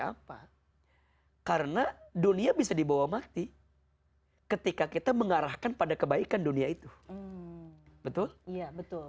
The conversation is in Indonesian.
apa karena dunia bisa dibawa mati ketika kita mengarahkan pada kebaikan dunia itu betul iya betul